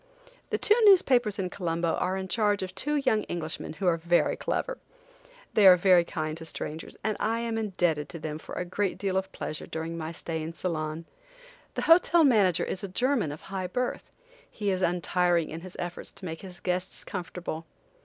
The two newspapers in Colombo are in charge of two young Englishmen who are very clever. They are very kind to strangers, and I am indebted to them for a great deal of pleasure during my stay in Ceylon. The hotel manager is a German of high birth. He is untiring in his efforts to make his guests comfortable.